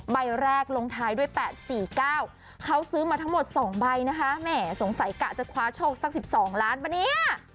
ใบแรกลงท้ายด้วย๘๔๙เขาซื้อมาทั้งหมด๒ใบนะคะแหมสงสัยกะจะคว้าโชคสัก๑๒ล้านป่ะเนี่ย